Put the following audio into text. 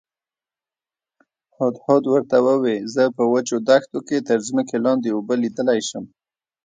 هدهد ورته وویل زه په وچو دښتو کې تر ځمکې لاندې اوبه لیدلی شم.